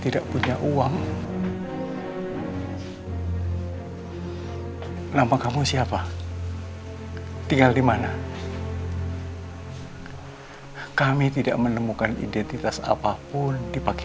ibu pengen nyenguk karina setelah kita selesai pemakaman doni